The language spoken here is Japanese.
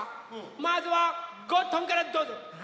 まずはゴットンからどうぞ。